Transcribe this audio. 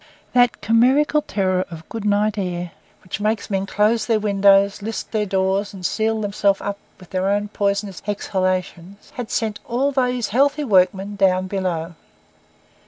That chimerical terror of good night air, which makes men close their windows, list their doors, and seal themselves up with their own poisonous exhalations, had sent all these healthy workmen down below.